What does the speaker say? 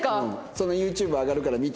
そのＹｏｕＴｕｂｅ上がるから見て。